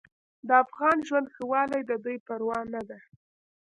د افغان ژوند ښهوالی د دوی پروا نه ده.